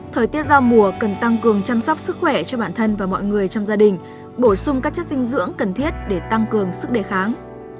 thời tiết giao mùa cần tăng cường chăm sóc sức khỏe cho bản thân và mọi người trong gia đình bổ sung các chất dinh dưỡng cần thiết để tăng cường sức đề kháng